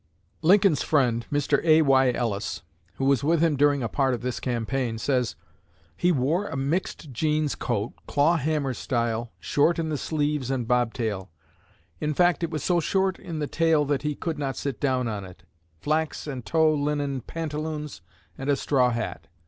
'" Lincoln's friend, Mr. A.Y. Ellis, who was with him during a part of this campaign, says: "He wore a mixed jeans coat, claw hammer style, short in the sleeves and bobtail, in fact, it was so short in the tail that he could not sit down on it, flax and tow linen pantaloons, and a straw hat.